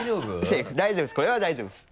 セーフこれは大丈夫です。